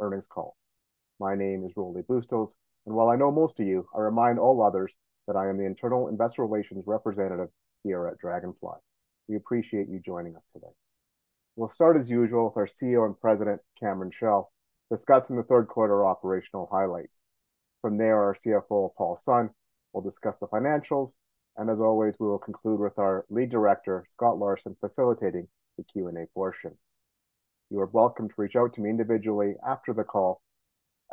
Earnings call. My name is Rolly Bustos, and while I know most of you, I remind all others that I am the internal investor relations representative here at Draganfly. We appreciate you joining us today. We'll start as usual with our CEO and President, Cameron Chell, discussing the third quarter operational highlights. From there, our CFO, Paul Sun, will discuss the financials, and as always, we will conclude with our lead director, Scott Larson, facilitating the Q&A portion. You are welcome to reach out to me individually after the call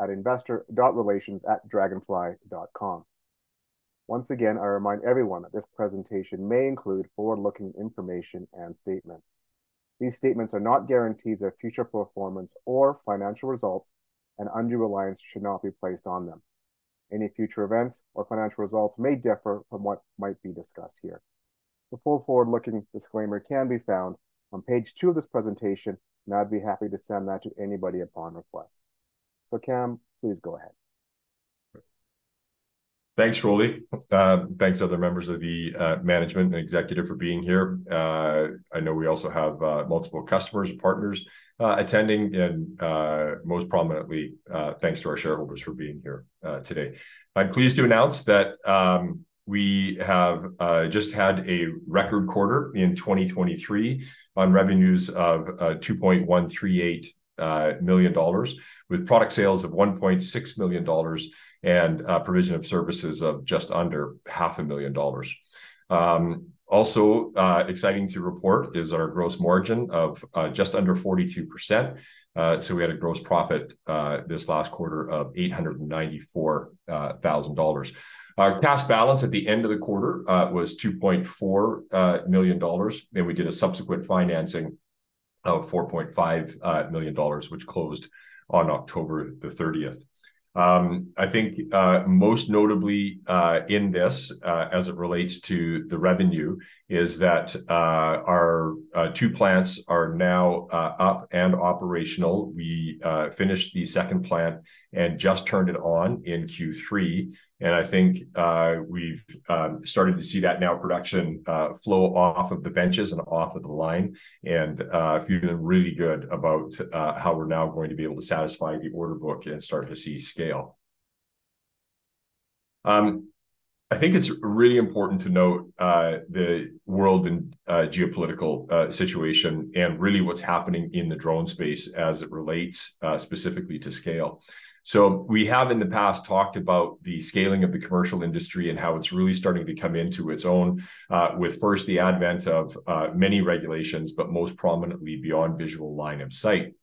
at investor.relations@draganfly.com. Once again, I remind everyone that this presentation may include forward-looking information and statements. These statements are not guarantees of future performance or financial results, and undue reliance should not be placed on them. Any future events or financial results may differ from what might be discussed here. The full forward-looking disclaimer can be found on page two of this presentation, and I'd be happy to send that to anybody upon request. Cam, please go ahead. Thanks, Rolly. Thanks, other members of the management and executive for being here. I know we also have multiple customers and partners attending, and most prominently, thanks to our shareholders for being here today. I'm pleased to announce that we have just had a record quarter in 2023 on revenues of $2.138 million, with product sales of $1.6 million and provision of services of just under $500,000. Also, exciting to report is our gross margin of just under 42%. So we had a gross profit this last quarter of $894,000. Our cash balance at the end of the quarter was $2.4 million. Then we did a subsequent financing of $4.5 million, which closed on October the 30th. I think most notably, in this as it relates to the revenue, is that our two plants are now up and operational. We finished the second plant and just turned it on in Q3, and I think we've started to see that now production flow off of the benches and off of the line, and feeling really good about how we're now going to be able to satisfy the order book and start to see scale. I think it's really important to note the world and geopolitical situation, and really what's happening in the drone space as it relates specifically to scale. So we have in the past talked about the scaling of the commercial industry and how it's really starting to come into its own with first the advent of many regulations, but most prominently beyond visual line of sight.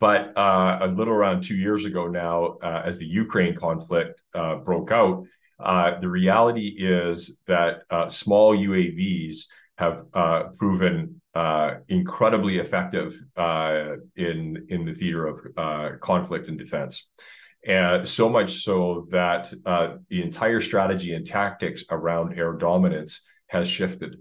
But a little around two years ago now, as the Ukraine conflict broke out, the reality is that small UAVs have proven incredibly effective in the theater of conflict and defense. And so much so that the entire strategy and tactics around air dominance has shifted.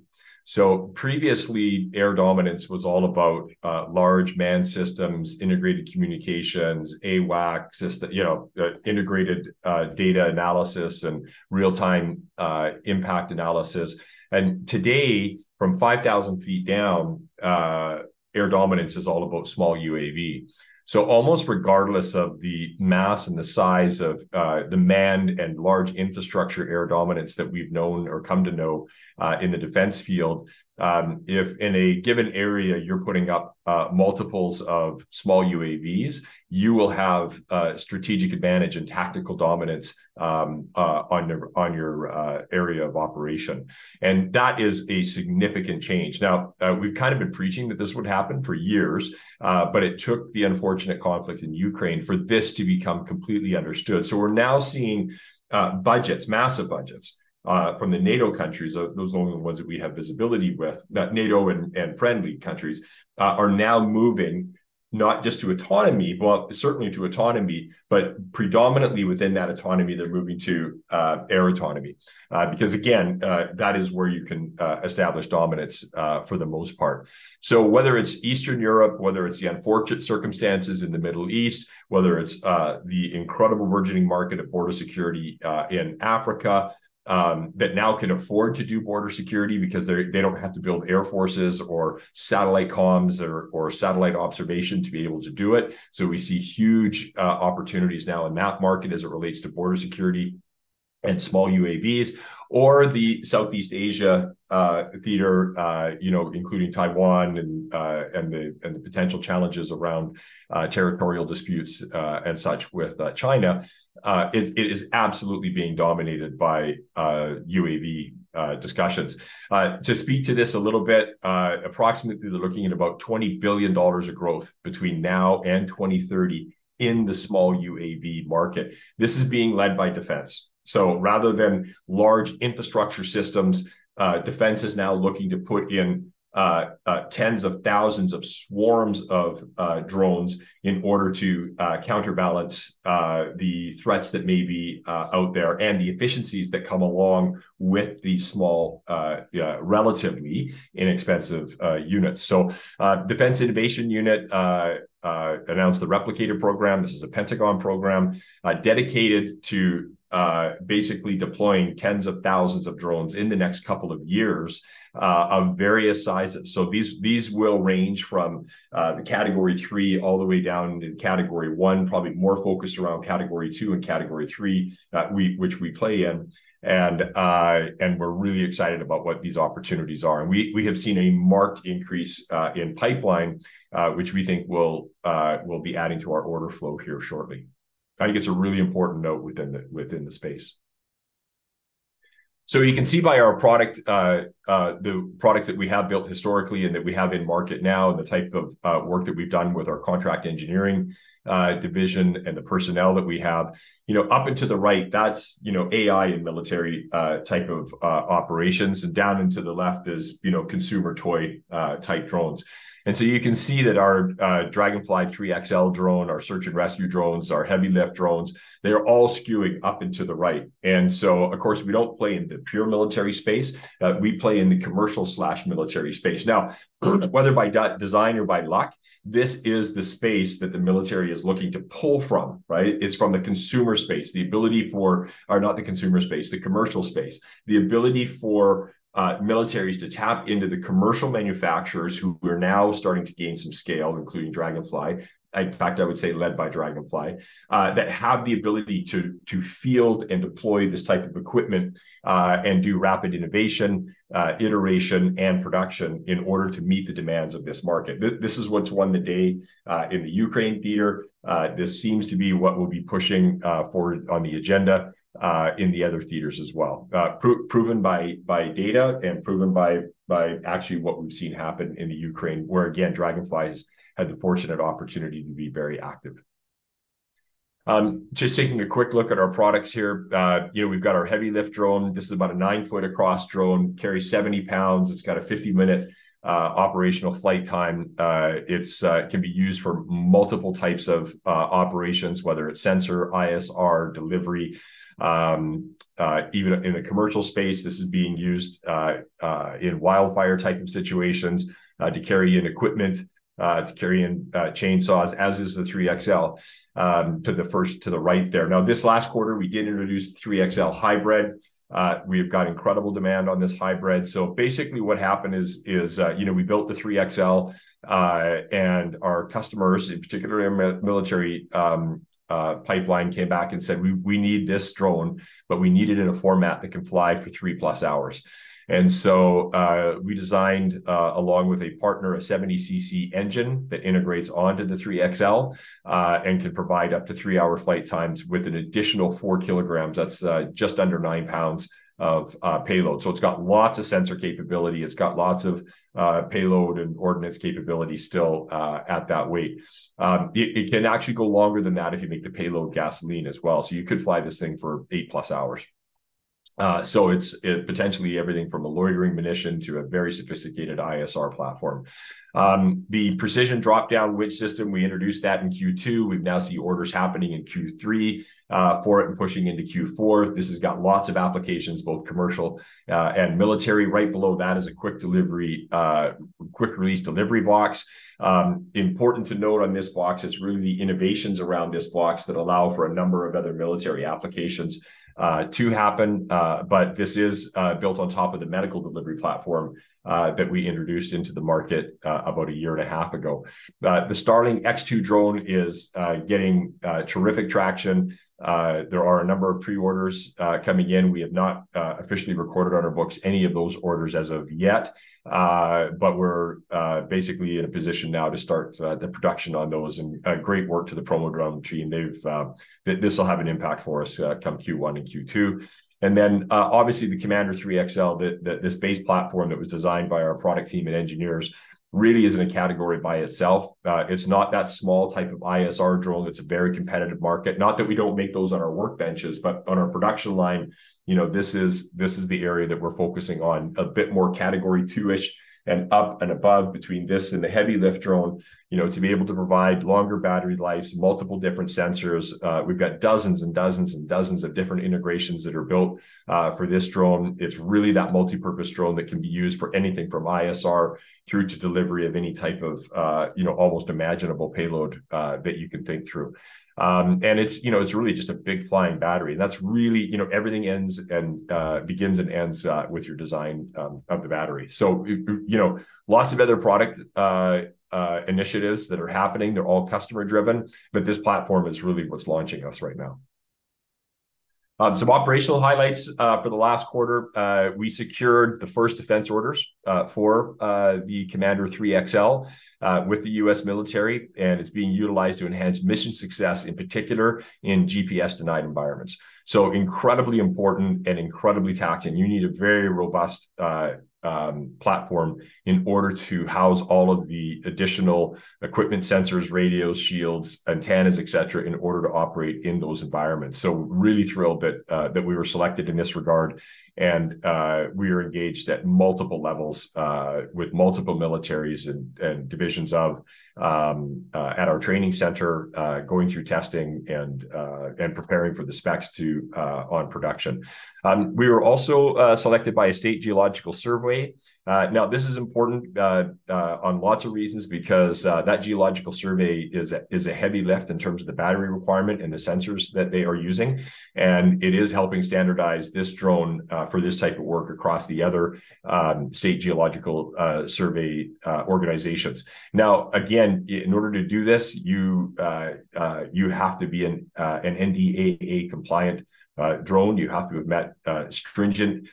So previously, air dominance was all about large manned systems, integrated communications, AWACS system, you know, integrated data analysis and real-time impact analysis. And today, from 5,000 feet down, air dominance is all about small UAV. So almost regardless of the mass and the size of the manned and large infrastructure air dominance that we've known or come to know in the defense field, if in a given area you're putting up multiples of small UAVs, you will have strategic advantage and tactical dominance on your area of operation. And that is a significant change. Now, we've kind of been preaching that this would happen for years, but it took the unfortunate conflict in Ukraine for this to become completely understood. So we're now seeing budgets, massive budgets from the NATO countries. Those are the only ones that we have visibility with, that NATO and friendly countries are now moving not just to autonomy, well, certainly to autonomy, but predominantly within that autonomy, they're moving to air autonomy. Because again, that is where you can establish dominance for the most part. So whether it's Eastern Europe, whether it's the unfortunate circumstances in the Middle East, whether it's the incredible burgeoning market of border security in Africa, that now can afford to do border security because they don't have to build air forces or satellite comms or satellite observation to be able to do it. So we see huge opportunities now in that market as it relates to border security and small UAVs. Or the Southeast Asia theater, you know, including Taiwan and the potential challenges around territorial disputes and such with China. It is absolutely being dominated by UAV discussions. To speak to this a little bit, approximately, we're looking at about $20 billion of growth between now and 2030 in the small UAV market. This is being led by defense. So rather than large infrastructure systems, defense is now looking to put in tens of thousands of swarms of drones in order to counterbalance the threats that may be out there and the efficiencies that come along with the small relatively inexpensive units. So, Defense Innovation Unit announced the Replicator Program. This is a Pentagon program, dedicated to, basically deploying tens of thousands of drones in the next couple of years, of various sizes. So these, these will range from, the Category 3 all the way down to Category 1, probably more focused around Category 2 and Category 3, which we play in. And, and we're really excited about what these opportunities are. And we, we have seen a marked increase, in pipeline, which we think will, will be adding to our order flow here shortly. I think it's a really important note within the space. So you can see by our product, the products that we have built historically and that we have in market now, and the type of work that we've done with our contract engineering division and the personnel that we have. You know, up and to the right, that's, you know, AI and military type of operations, and down and to the left is, you know, consumer toy type drones. And so you can see that our Commander 3 XL drone, our search and rescue drones, our heavy lift drones, they are all skewing up and to the right. And so, of course, we don't play in the pure military space. We play in the commercial/military space. Now, whether by design or by luck, this is the space that the military is looking to pull from, right? It's from the consumer space, the ability for- or not the consumer space, the commercial space. The ability for militaries to tap into the commercial manufacturers who are now starting to gain some scale, including Draganfly, in fact, I would say led by Draganfly, that have the ability to field and deploy this type of equipment, and do rapid innovation, iteration, and production in order to meet the demands of this market. This is what's won the day in the Ukraine theater. This seems to be what will be pushing forward on the agenda in the other theaters as well. Proven by data, and proven by actually what we've seen happen in the Ukraine, where, again, Draganfly's had the fortunate opportunity to be very active. Just taking a quick look at our products here. You know, we've got our Heavy Lift Drone. This is about a 9 ft-across drone, carries 70 pounds. It's got a 50-minute operational flight time. It can be used for multiple types of operations, whether it's sensor, ISR, delivery. Even in the commercial space, this is being used in wildfire type of situations, to carry in equipment, to carry in chainsaws, as is the 3 XL, to the first, to the right there. Now, this last quarter, we did introduce 3 XL Hybrid. We've got incredible demand on this hybrid. So basically, what happened is, you know, we built the 3 XL, and our customers, in particular our military pipeline, came back and said, "We, we need this drone, but we need it in a format that can fly for 3+ hours." And so, we designed, along with a partner, a 70 cc engine that integrates onto the 3 XL, and can provide up to three-hour flight times with an additional 4 kg. That's just under nine pounds of payload. So it's got lots of sensor capability. It's got lots of payload and ordnance capability still, at that weight. It can actually go longer than that if you make the payload gasoline as well, so you could fly this thing for 8+ hours. So it's potentially everything from a loitering munition to a very sophisticated ISR platform. The Precision Drop-Down Winch System, we introduced that in Q2. We now see orders happening in Q3 for it, and pushing into Q4. This has got lots of applications, both commercial and military. Right below that is a quick delivery quick-release delivery box. Important to note on this box, it's really the innovations around this box that allow for a number of other military applications to happen. But this is built on top of the medical delivery platform that we introduced into the market about a year and a half ago. The Starling X.2 drone is getting terrific traction. There are a number of pre-orders coming in. We have not officially recorded on our books any of those orders as of yet. But we're basically in a position now to start the production on those, and great work to the Promo Drone team. They've. This will have an impact for us come Q1 and Q2. And then obviously, the Commander 3 XL, this base platform that was designed by our product team and engineers, really is in a category by itself. It's not that small type of ISR drone. It's a very competitive market. Not that we don't make those on our workbenches, but on our production line, you know, this is the area that we're focusing on, a bit more Category Two-ish and up and above between this and the Heavy Lift Drone. You know, to be able to provide longer battery lives, multiple different sensors, we've got dozens and dozens and dozens of different integrations that are built for this drone. It's really that multipurpose drone that can be used for anything from ISR through to delivery of any type of, you know, almost imaginable payload that you can think through. And it's, you know, it's really just a big flying battery, and that's really. You know, everything ends and begins and ends with your design of the battery. So you know, lots of other product initiatives that are happening. They're all customer-driven, but this platform is really what's launching us right now. Some operational highlights for the last quarter. We secured the first defense orders for the Commander 3 XL with the U.S. military, and it's being utilized to enhance mission success, in particular in GPS-denied environments. So incredibly important and incredibly taxing. You need a very robust platform in order to house all of the additional equipment, sensors, radios, shields, antennas, et cetera, in order to operate in those environments. So really thrilled that that we were selected in this regard, and we are engaged at multiple levels with multiple militaries and and divisions of at our training center going through testing and and preparing for the specs to on production. We were also selected by a state geological survey. Now, this is important on lots of reasons, because that geological survey is a heavy lift in terms of the battery requirement and the sensors that they are using, and it is helping standardize this drone for this type of work across the other state geological survey organizations. Now, again, in order to do this, you have to be an NDAA-compliant drone. You have to have met stringent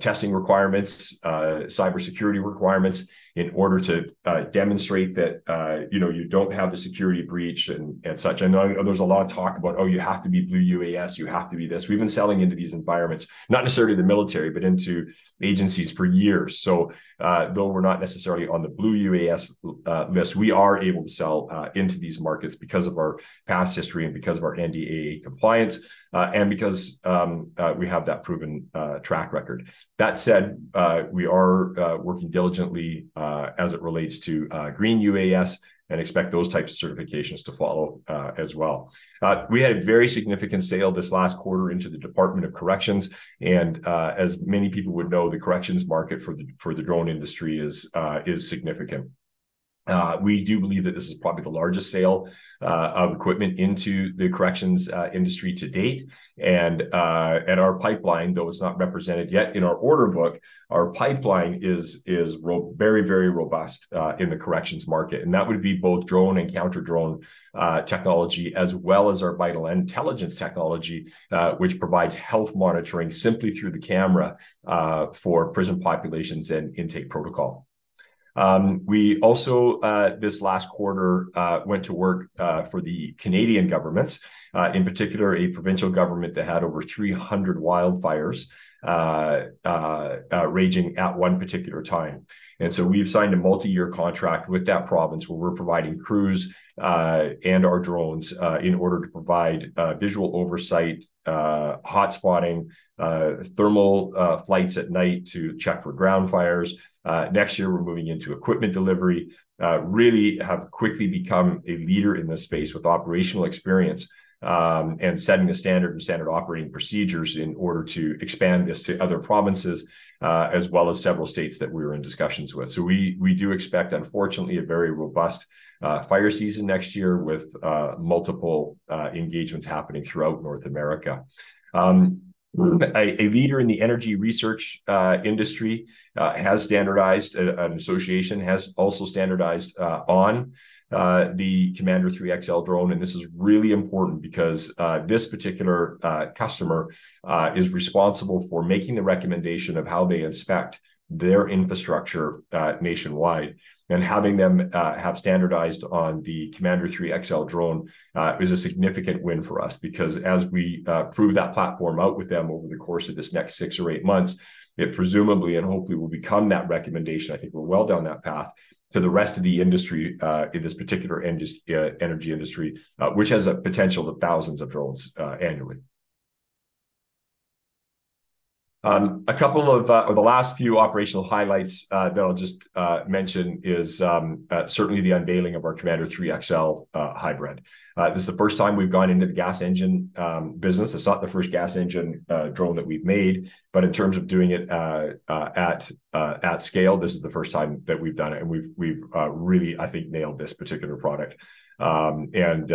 testing requirements, cybersecurity requirements in order to demonstrate that, you know, you don't have a security breach and such. I know there's a lot of talk about, "Oh, you have to be Blue UAS, you have to be this." We've been selling into these environments, not necessarily the military, but into agencies for years. So, though we're not necessarily on the Blue UAS list, we are able to sell into these markets because of our past history and because of our NDAA compliance, and because we have that proven track record. That said, we are working diligently as it relates to Green UAS, and expect those types of certifications to follow as well. We had a very significant sale this last quarter into the Department of Corrections and, as many people would know, the corrections market for the drone industry is significant. We do believe that this is probably the largest sale of equipment into the corrections industry to date. Our pipeline, though it's not represented yet in our order book, our pipeline is very, very robust in the corrections market. And that would be both drone and counter-drone technology, as well as our Vital Intelligence technology, which provides health monitoring simply through the camera for prison populations and intake protocol. We also this last quarter went to work for the Canadian governments, in particular, a provincial government that had over 300 wildfires raging at one particular time. And so we've signed a multi-year contract with that province, where we're providing crews and our drones in order to provide visual oversight, hot spotting, thermal flights at night to check for ground fires. Next year we're moving into equipment delivery. Really have quickly become a leader in this space with operational experience, and setting the standard and standard operating procedures in order to expand this to other provinces, as well as several states that we're in discussions with. So we do expect, unfortunately, a very robust fire season next year with multiple engagements happening throughout North America. A leader in the energy research industry has standardized, an association has also standardized on the Commander 3 XL drone. And this is really important because this particular customer is responsible for making the recommendation of how they inspect their infrastructure nationwide. And having them have standardized on the Commander 3 XL drone is a significant win for us. Because as we prove that platform out with them over the course of this next six or eight months, it presumably and hopefully will become that recommendation. I think we're well down that path to the rest of the industry in this particular energy industry, which has a potential of thousands of drones annually. A couple of or the last few operational highlights that I'll just mention is certainly the unveiling of our Commander 3 XL Hybrid. This is the first time we've gone into the gas engine business. It's not the first gas engine drone that we've made, but in terms of doing it at scale, this is the first time that we've done it. And we've really, I think, nailed this particular product. Again,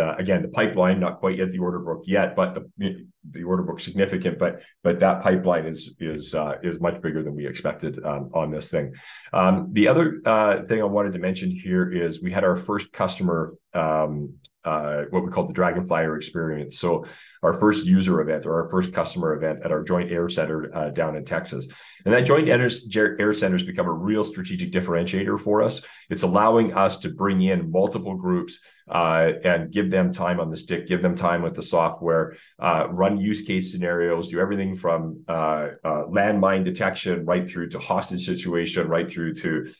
the pipeline, not quite yet the order book yet, but the order book's significant, but that pipeline is much bigger than we expected on this thing. The other thing I wanted to mention here is we had our first customer, what we call the Draganflyer Xperience. So our first user event, or our first customer event, at our joint air center down in Texas. And that joint air center's become a real strategic differentiator for us. It's allowing us to bring in multiple groups and give them time on the stick, give them time with the software, run use case scenarios. Do everything from landmine detection, right through to hostage situation, right through to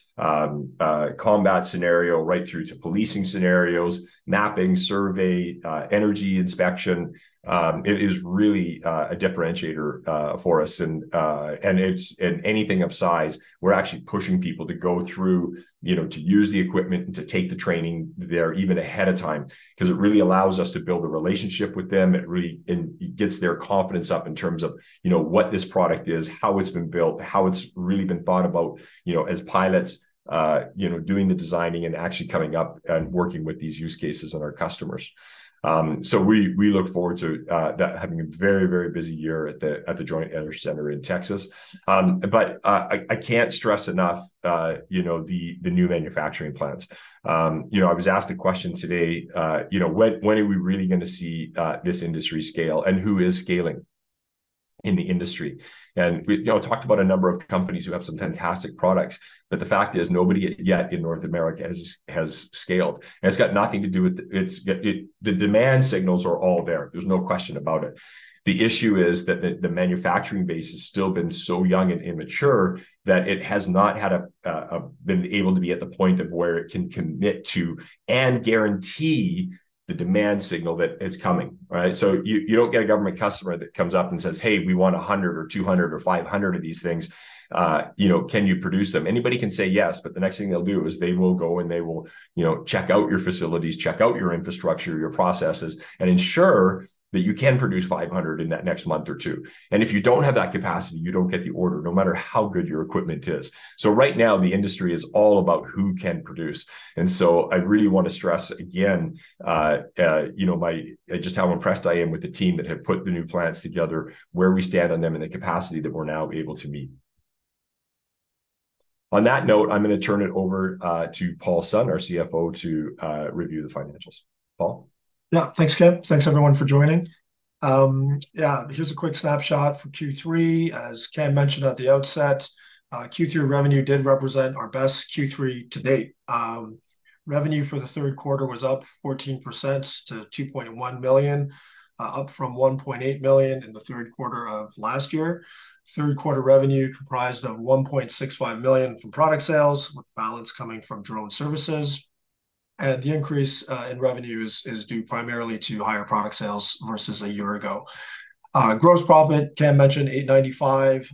combat scenario, right through to policing scenarios, mapping, survey, energy inspection. It is really a differentiator for us. Anything of size, we're actually pushing people to go through, you know, to use the equipment and to take the training there, even ahead of time, 'cause it really allows us to build a relationship with them. It really gets their confidence up in terms of, you know, what this product is, how it's been built, how it's really been thought about, you know, as pilots, you know, doing the designing and actually coming up and working with these use cases and our customers. So we look forward to that, having a very, very busy year at the joint air center in Texas. But I can't stress enough, you know, the new manufacturing plants. You know, I was asked a question today, you know: "When, when are we really gonna see this industry scale, and who is scaling in the industry?" And we, you know, talked about a number of companies who have some fantastic products, but the fact is, nobody yet in North America has scaled, and it's got nothing to do with the demand signals are all there. There's no question about it. The issue is that the manufacturing base has still been so young and immature that it has not had been able to be at the point of where it can commit to, and guarantee, the demand signal that is coming, right? So you don't get a government customer that comes up and says, "Hey, we want 100 or 200 or 500 of these things," you know, "can you produce them?" Anybody can say yes, but the next thing they'll do is they will go, and they will, you know, check out your facilities, check out your infrastructure, your processes, and ensure that you can produce 500 in that next month or two. And if you don't have that capacity, you don't get the order, no matter how good your equipment is. So right now, the industry is all about who can produce. And so I really wanna stress again, you know, just how impressed I am with the team that have put the new plans together, where we stand on them, and the capacity that we're now able to meet. On that note, I'm gonna turn it over to Paul Sun, our CFO, to review the financials. Paul? Yeah. Thanks, Cam. Thanks, everyone, for joining. Yeah, here's a quick snapshot for Q3. As Cam mentioned at the outset, Q3 revenue did represent our best Q3 to date. Revenue for the third quarter was up 14% to $2.1 million, up from $1.8 million in the third quarter of last year. Third quarter revenue comprised of $1.65 million from product sales, with the balance coming from drone services. The increase in revenue is due primarily to higher product sales versus a year ago. Gross profit, Cam mentioned, $895.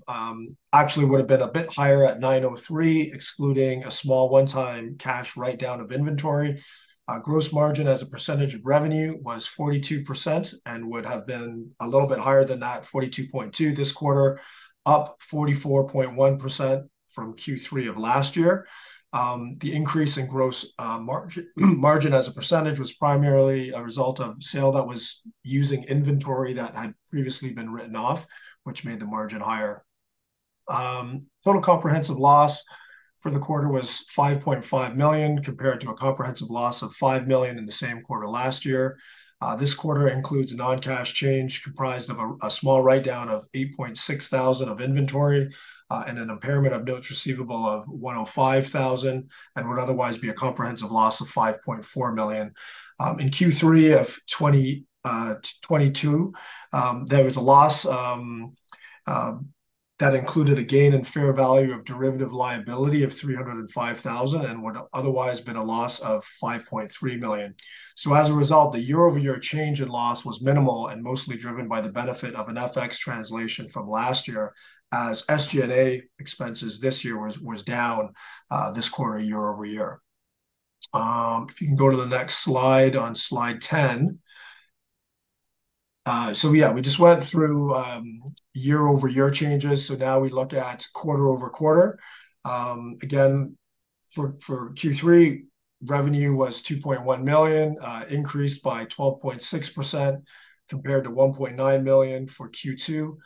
Actually would have been a bit higher at $903, excluding a small one-time cash write-down of inventory. Gross margin as a percentage of revenue was 42%, and would have been a little bit higher than that, 42.2% this quarter, up 44.1% from Q3 of last year. The increase in gross margin as a percentage was primarily a result of sale that was using inventory that had previously been written off, which made the margin higher. Total comprehensive loss for the quarter was $5.5 million, compared to a comprehensive loss of $5 million in the same quarter last year. This quarter includes a non-cash charge comprised of a small write-down of $8,600 of inventory, and an impairment of notes receivable of $105,000, and would otherwise be a comprehensive loss of $5.4 million. In Q3 of 2022, there was a loss that included a gain in fair value of derivative liability of $305,000, and would have otherwise been a loss of $5.3 million. So as a result, the year-over-year change in loss was minimal and mostly driven by the benefit of an FX translation from last year, as SG&A expenses this year was down this quarter year-over-year. If you can go to the next slide, on slide 10. So yeah, we just went through year-over-year changes, so now we look at quarter-over-quarter. Again, for Q3, revenue was $2.1 million, increased by 12.6%, compared to $1.9 million for Q2,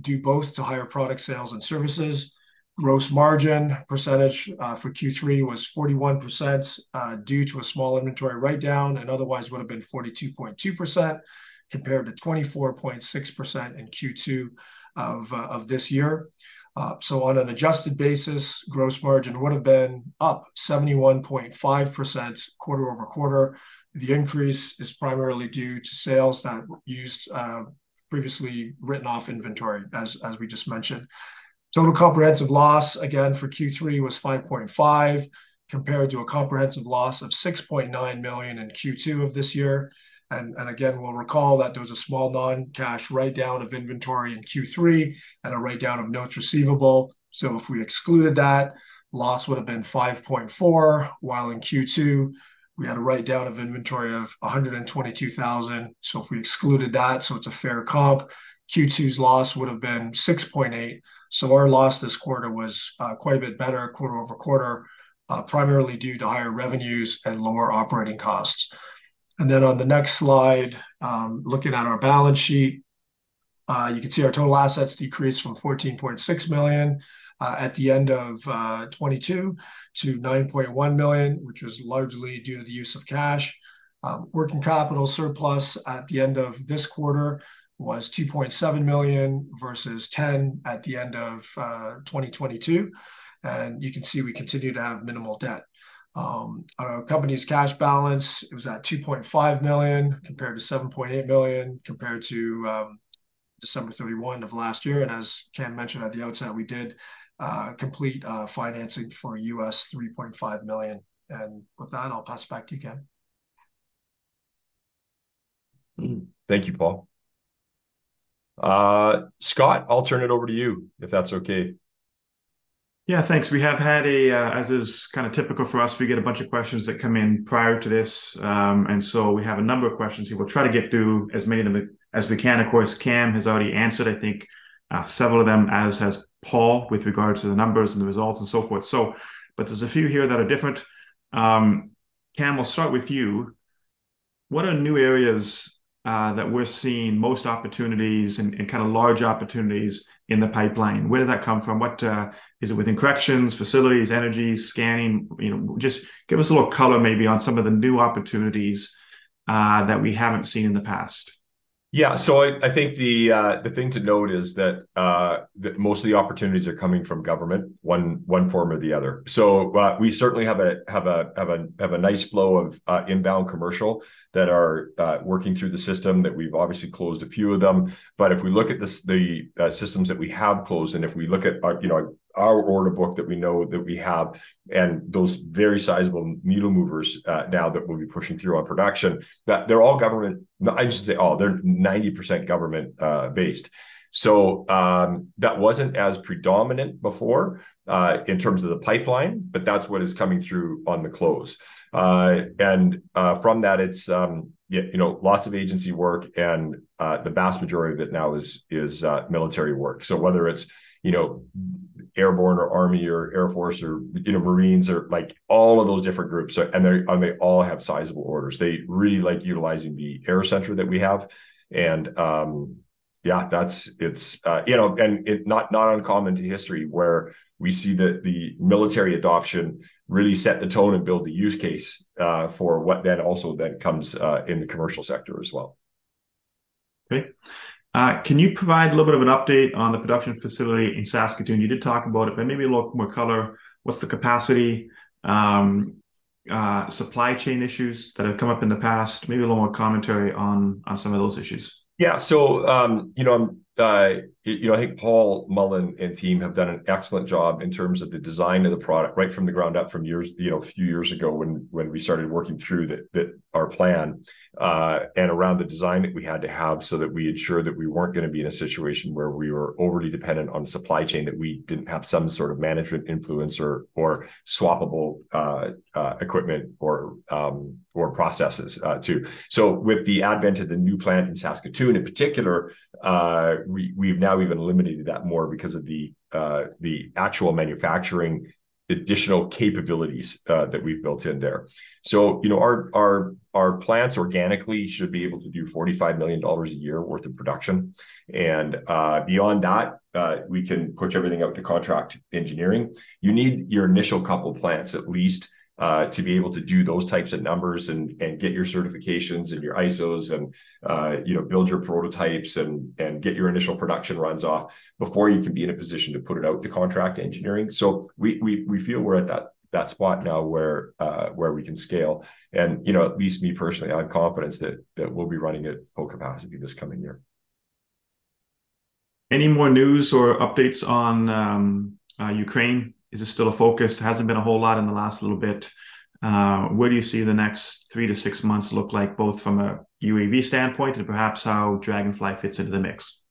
due both to higher product sales and services. Gross margin percentage for Q3 was 41%, due to a small inventory write-down, and otherwise would have been 42.2%, compared to 24.6% in Q2 of this year. So on an adjusted basis, gross margin would have been up 71.5% quarter-over-quarter. The increase is primarily due to sales that used previously written-off inventory, as we just mentioned. Total comprehensive loss, again, for Q3 was $5.5 million, compared to a comprehensive loss of $6.9 million in Q2 of this year. And again, we'll recall that there was a small non-cash write-down of inventory in Q3, and a write-down of notes receivable. So if we excluded that, loss would have been $5.4 million, while in Q2 we had a write-down of inventory of $122,000. So if we excluded that, so it's a fair comp, Q2's loss would have been $6.8 million. So our loss this quarter was quite a bit better quarter-over-quarter, primarily due to higher revenues and lower operating costs. Then on the next slide, looking at our balance sheet, you can see our total assets decreased from $14.6 million at the end of 2022 to $9.1 million, which was largely due to the use of cash. Working capital surplus at the end of this quarter was $2.7 million, versus $10 million at the end of 2022, and you can see we continue to have minimal debt. Our company's cash balance was at $2.5 million, compared to $7.8 million compared to December 31 of last year. As Cam mentioned at the outset, we did complete financing for $3.5 million. With that, I'll pass it back to you, Cam. Thank you, Paul. Scott, I'll turn it over to you, if that's okay. Yeah, thanks. We have had a, as is kind of typical for us, we get a bunch of questions that come in prior to this. And so we have a number of questions, and we'll try to get through as many of them as we can. Of course, Cam has already answered, I think, several of them, as has Paul, with regards to the numbers and the results and so forth, so, but there's a few here that are different. Cam, I'll start with you. What are new areas that we're seeing most opportunities, and kind of large opportunities in the pipeline? Where did that come from? What is it within corrections, facilities, energy, scanning? You know, just give us a little color maybe on some of the new opportunities that we haven't seen in the past. Yeah, so I think the thing to note is that most of the opportunities are coming from government, one form or the other. So, we certainly have a nice flow of inbound commercial that are working through the system, that we've obviously closed a few of them. But if we look at the systems that we have closed, and if we look at our, you know, our order book that we know that we have, and those very sizable needle movers, now that we'll be pushing through on production, that they're all government. I shouldn't say all, they're 90% government based. So, that wasn't as predominant before, in terms of the pipeline, but that's what is coming through on the close. And from that, it's you know, lots of agency work, and the vast majority of it now is military work. So whether it's you know, airborne, or Army, or Air Force, or you know, Marines or like, all of those different groups. And they all have sizable orders. They really like utilizing the air center that we have. Yeah, that's you know, and it not uncommon to history where we see the military adoption really set the tone and build the use case for what then also then comes in the commercial sector as well. Okay. Can you provide a little bit of an update on the production facility in Saskatoon? You did talk about it, but maybe a little more color. What's the capacity, supply chain issues that have come up in the past? Maybe a little more commentary on some of those issues. Yeah. So, you know, you know, I think Paul Mullen and team have done an excellent job in terms of the design of the product, right from the ground up from years, you know, a few years ago when we started working through the our plan. And around the design that we had to have so that we ensured that we weren't gonna be in a situation where we were overly dependent on supply chain, that we didn't have some sort of management influence or swappable equipment or processes too. So with the advent of the new plant in Saskatoon, in particular, we, we've now even eliminated that more because of the actual manufacturing additional capabilities that we've built in there. So, you know, our plants organically should be able to do $45 million a year worth of production. And, beyond that, we can push everything out to contract engineering. You need your initial couple plants at least, to be able to do those types of numbers and get your certifications, and your ISOs and, you know, build your prototypes, and get your initial production runs off before you can be in a position to put it out to contract engineering. So we feel we're at that spot now where we can scale. And, you know, at least me personally, I have confidence that we'll be running at full capacity this coming year. Any more news or updates on, Ukraine? Is it still a focus? There hasn't been a whole lot in the last little bit. What do you see the next 3-6 months look like, both from a UAV standpoint and perhaps how Draganfly fits into the mix?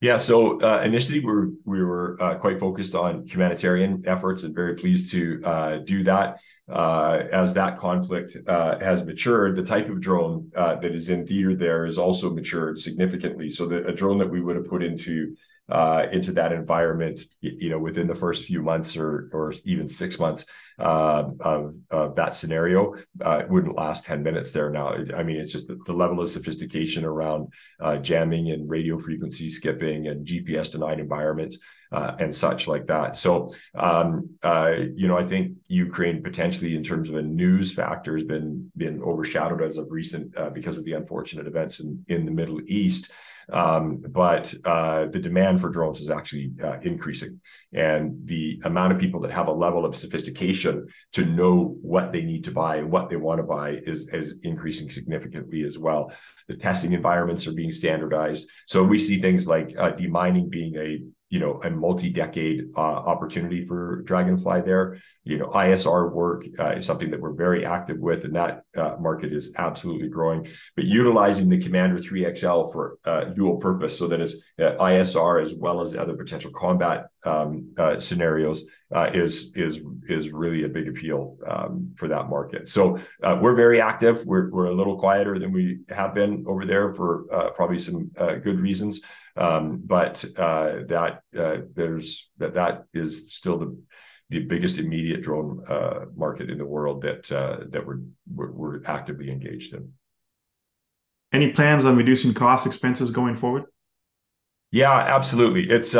Yeah. So, initially, we were quite focused on humanitarian efforts and very pleased to do that. As that conflict has matured, the type of drone that is in theater there has also matured significantly. So the... A drone that we would have put into that environment, you know, within the first few months or even six months of that scenario wouldn't last ten minutes there now. I mean, it's just the level of sophistication around jamming and radio frequency skipping and GPS-denied environment and such like that. So, you know, I think Ukraine, potentially in terms of a news factor, has been overshadowed as of recent because of the unfortunate events in the Middle East. But, the demand for drones is actually increasing. And the amount of people that have a level of sophistication to know what they need to buy and what they want to buy is, is increasing significantly as well. The testing environments are being standardized. So we see things like, demining being a, you know, a multi-decade, opportunity for Draganfly there. You know, ISR work, is something that we're very active with, and that, market is absolutely growing. But utilizing the Commander 3 XL for, dual purpose, so that it's, ISR as well as the other potential combat, scenarios, is, is, is really a big appeal, for that market. So, we're very active. We're, we're a little quieter than we have been over there for, probably some, good reasons. But that is still the biggest immediate drone market in the world that we're actively engaged in. Any plans on reducing cost expenses going forward? Yeah, absolutely. It's,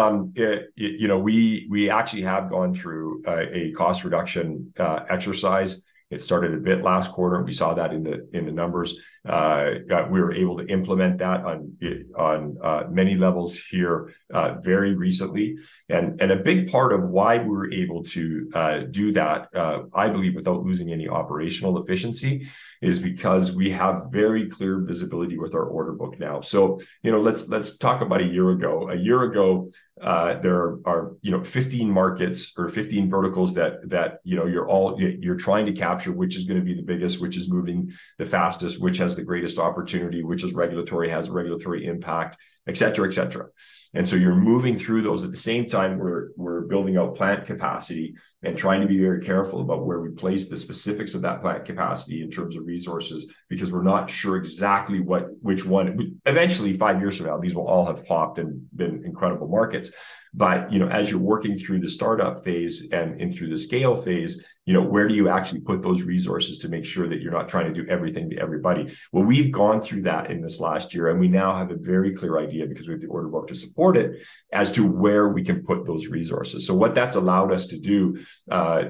you know, we actually have gone through a cost reduction exercise. It started a bit last quarter. We saw that in the numbers. We were able to implement that on many levels here very recently. And a big part of why we were able to do that, I believe, without losing any operational efficiency, is because we have very clear visibility with our order book now. So, you know, let's talk about a year ago. A year ago, there are, you know, 15 markets or 15 verticals that, you know, you're trying to capture, which is gonna be the biggest, which is moving the fastest, which has the greatest opportunity, which is regulatory, has a regulatory impact, et cetera, et cetera. And so you're moving through those at the same time, we're building out plant capacity and trying to be very careful about where we place the specifics of that plant capacity in terms of resources, because we're not sure exactly what which one. Eventually, five years from now, these will all have popped and been incredible markets. But, you know, as you're working through the start-up phase and through the scale phase, you know, where do you actually put those resources to make sure that you're not trying to do everything to everybody? Well, we've gone through that in this last year, and we now have a very clear idea, because we have the order book to support it, as to where we can put those resources. So what that's allowed us to do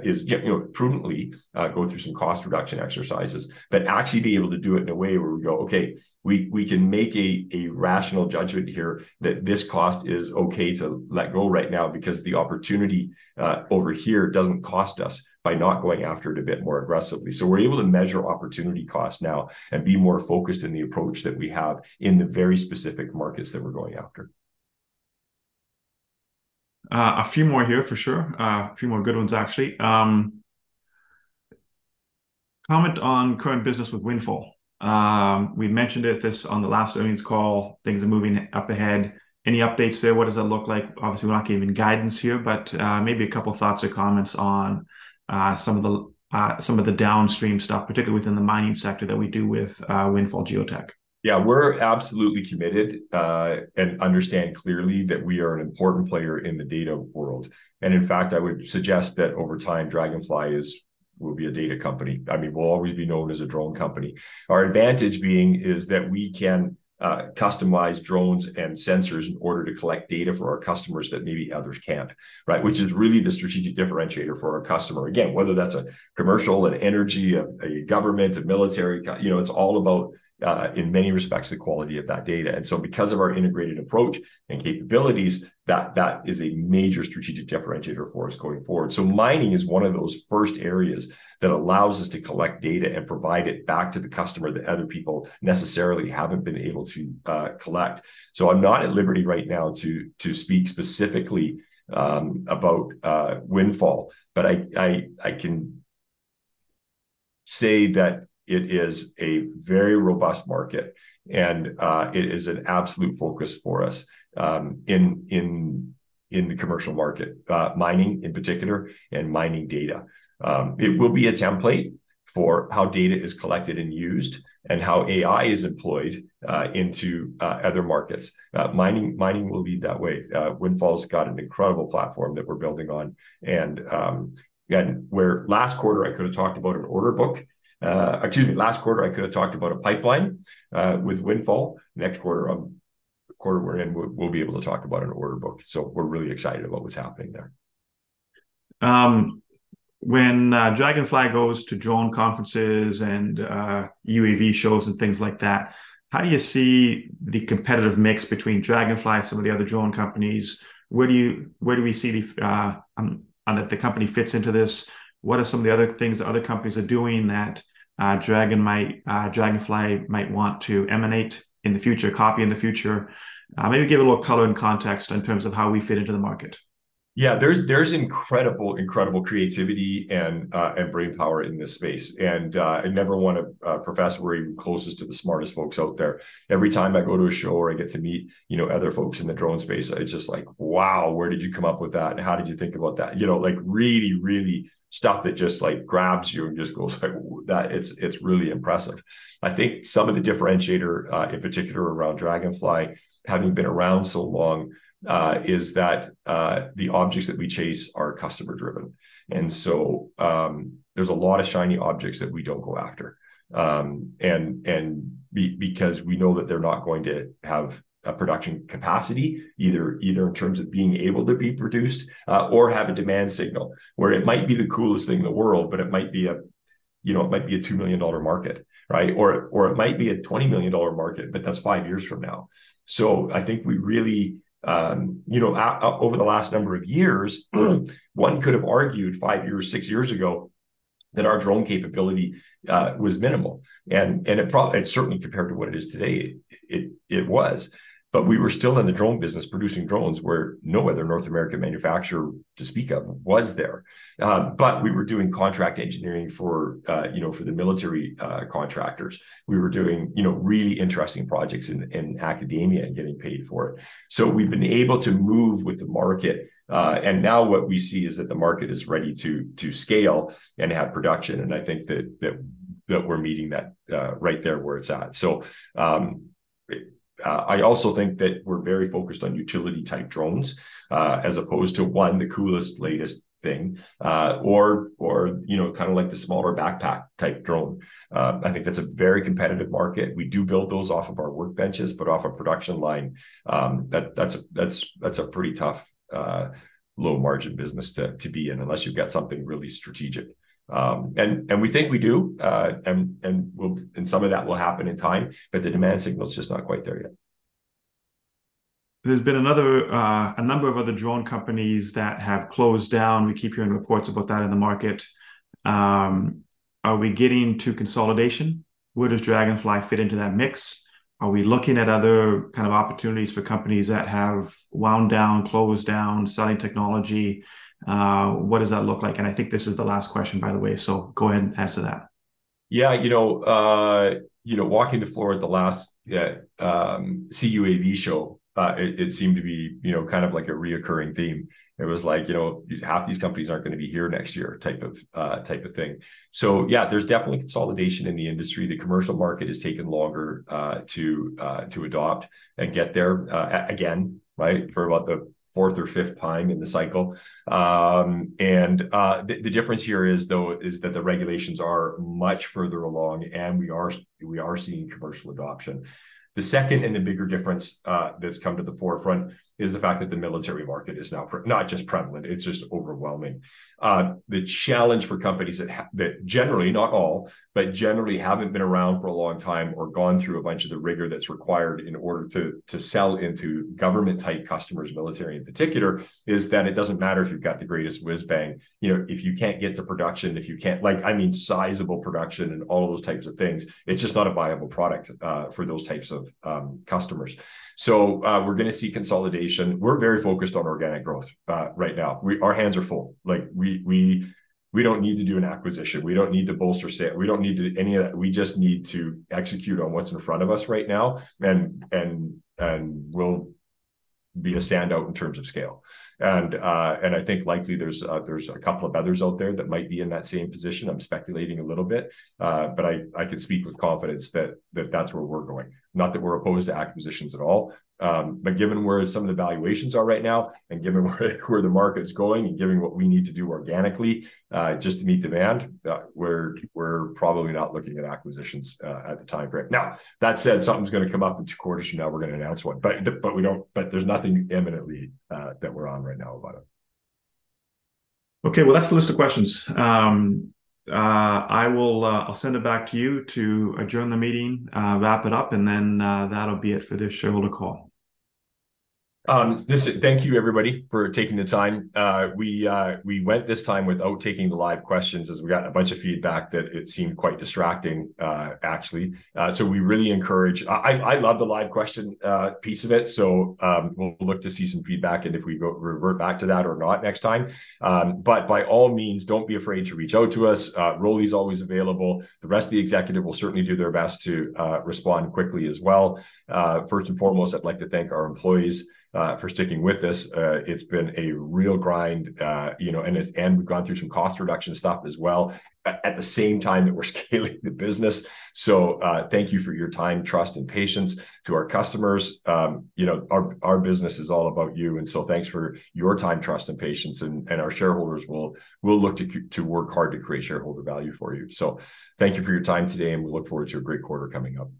is, you know, prudently go through some cost reduction exercises, but actually be able to do it in a way where we go, "Okay, we can make a rational judgment here that this cost is okay to let go right now because the opportunity over here doesn't cost us by not going after it a bit more aggressively." So we're able to measure opportunity cost now and be more focused in the approach that we have in the very specific markets that we're going after. A few more here for sure. A few more good ones, actually. Comment on current business with Windfall Geotek. We mentioned it on the last earnings call; things are moving ahead. Any updates there? What does that look like? Obviously, we're not giving guidance here, but maybe a couple thoughts or comments on some of the downstream stuff, particularly within the mining sector that we do with Windfall Geotek. Yeah, we're absolutely committed and understand clearly that we are an important player in the data world. And in fact, I would suggest that over time, Draganfly... we'll be a data company. I mean, we'll always be known as a drone company. Our advantage being is that we can customize drones and sensors in order to collect data for our customers that maybe others can't, right? Which is really the strategic differentiator for our customer. Again, whether that's a commercial, an energy, a government, a military, you know, it's all about, in many respects, the quality of that data. And so because of our integrated approach and capabilities, that, that is a major strategic differentiator for us going forward. So mining is one of those first areas that allows us to collect data and provide it back to the customer, that other people necessarily haven't been able to collect. So I'm not at liberty right now to speak specifically about Windfall, but I can say that it is a very robust market and it is an absolute focus for us in the commercial market, mining in particular, and mining data. It will be a template for how data is collected and used, and how AI is employed into other markets. Mining will lead that way. Windfall's got an incredible platform that we're building on. And where last quarter I could have talked about an order book. Excuse me, last quarter, I could have talked about a pipeline with Windfall. Next quarter, quarter we're in, we'll be able to talk about an order book. So we're really excited about what's happening there. When Draganfly goes to drone conferences and UAV shows, and things like that, how do you see the competitive mix between Draganfly and some of the other drone companies? Where do we see the company fits into this? What are some of the other things that other companies are doing that Draganfly might want to emulate in the future, copy in the future? Maybe give a little color and context in terms of how we fit into the market. Yeah, there's, there's incredible, incredible creativity and, and brainpower in this space. And, I never wanna, profess we're even closest to the smartest folks out there. Every time I go to a show, or I get to meet, you know, other folks in the drone space, it's just like, "Wow, where did you come up with that, and how did you think about that?" You know, like, really, really stuff that just, like, grabs you and just goes like, "Wow!" It's, it's really impressive. I think some of the differentiator, in particular around Draganfly, having been around so long, is that, the objects that we chase are customer-driven. And so, there's a lot of shiny objects that we don't go after. Because we know that they're not going to have a production capacity, either in terms of being able to be produced, or have a demand signal, where it might be the coolest thing in the world, but it might be, you know, it might be a $2 million market, right? Or it might be a $20 million market, but that's five years from now. So I think we really, you know, over the last number of years, one could have argued five years, six years ago, that our drone capability was minimal. And it certainly compared to what it is today, it was, but we were still in the drone business, producing drones, where no other North American manufacturer to speak of was there. But we were doing contract engineering for, you know, for the military, contractors. We were doing, you know, really interesting projects in academia, and getting paid for it. So we've been able to move with the market. And now what we see is that the market is ready to scale and have production, and I think that we're meeting that right there where it's at. I also think that we're very focused on utility-type drones, as opposed to one, the coolest, latest thing, or, you know, kind of like the smaller backpack-type drone. I think that's a very competitive market. We do build those off of our workbenches, but off a production line, that's a pretty tough low-margin business to be in, unless you've got something really strategic. And we think we do, and we'll, and some of that will happen in time, but the demand signal's just not quite there yet. There's been another, a number of other drone companies that have closed down. We keep hearing reports about that in the market. Are we getting to consolidation? Where does Draganfly fit into that mix? Are we looking at other kind of opportunities for companies that have wound down, closed down, selling technology? What does that look like? And I think this is the last question, by the way, so go ahead and answer that. Yeah, you know, you know, walking the floor at the last CUAV show, it seemed to be, you know, kind of like a recurring theme. It was like, "You know, half these companies aren't gonna be here next year," type of thing. So yeah, there's definitely consolidation in the industry. The commercial market has taken longer to adopt and get there, again, right? For about the fourth or fifth time in the cycle. And the difference here is, though, is that the regulations are much further along, and we are seeing commercial adoption. The second and the bigger difference that's come to the forefront is the fact that the military market is now not just prevalent, it's just overwhelming. The challenge for companies that generally, not all, but generally haven't been around for a long time, or gone through a bunch of the rigor that's required in order to sell into government-type customers, military in particular, is that it doesn't matter if you've got the greatest whiz bang. You know, if you can't get to production, if you can't like, I mean, sizable production and all those types of things, it's just not a viable product for those types of customers. So, we're gonna see consolidation. We're very focused on organic growth right now. Our hands are full. Like, we don't need to do an acquisition. We don't need to bolster sale. We don't need to any of that. We just need to execute on what's in front of us right now, and we'll be a standout in terms of scale. I think likely there's a couple of others out there that might be in that same position. I'm speculating a little bit, but I can speak with confidence that that's where we're going. Not that we're opposed to acquisitions at all, but given where some of the valuations are right now, and given where the market's going, and given what we need to do organically, just to meet demand, we're probably not looking at acquisitions at the time right now. That said, something's gonna come up in two quarters from now, we're gonna announce one, but we don't- but there's nothing imminently that we're on right now about it. Okay, well, that's the list of questions. I will, I'll send it back to you to adjourn the meeting, wrap it up, and then, that'll be it for this shareholder call. Listen, thank you, everybody, for taking the time. We went this time without taking the live questions, as we got a bunch of feedback that it seemed quite distracting, actually. So we really encourage. I love the live question piece of it, so we'll look to see some feedback and if we revert back to that or not next time. But by all means, don't be afraid to reach out to us. Rolly's always available. The rest of the executive will certainly do their best to respond quickly as well. First and foremost, I'd like to thank our employees for sticking with this. It's been a real grind, you know, and we've gone through some cost reduction stuff as well, at the same time that we're scaling the business. So, thank you for your time, trust, and patience. To our customers, you know, our business is all about you, and so thanks for your time, trust, and patience. And our shareholders, we'll look to work hard to create shareholder value for you. So thank you for your time today, and we look forward to a great quarter coming up.